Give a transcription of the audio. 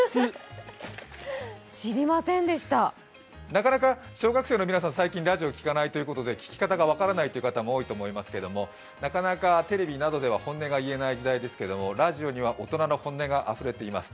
なかなか小学生の皆さん、最近ラジオを聞かないということで聞き方が分からないという方も多いと思いますけどテレビなどでは本音が言えない時代ですけれどラジオには大人の本音があふれています。